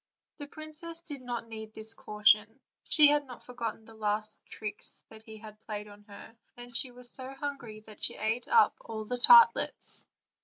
The princess did not need this caution; she had not for gotten the two last tricks he had played her, and she was so hungry that she ate up all the tartlets.